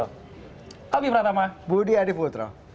kami pratama budi adi putro